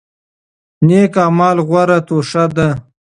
نیک اعمال غوره توښه ده.